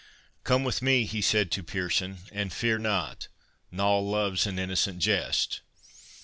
"Come with me," he said to Pearson, "and fear not—Noll loves an innocent jest."